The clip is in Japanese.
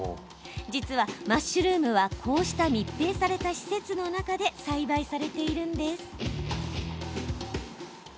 実は、マッシュルームはこうした密閉された施設の中で栽培されているんです。